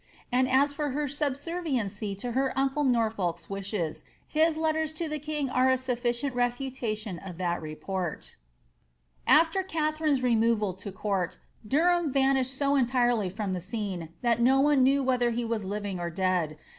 And as for her subserviency to her uncle Norfolk^s wishes, hia letters to the king are a sufficient refutation of that report After Katharine^s removal to court, Derham vanished so entirely from the scene that no one knew whether he were living or dead.